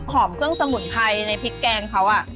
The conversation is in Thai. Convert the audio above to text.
เครื่องสมุนไพรในพริกแกงเขา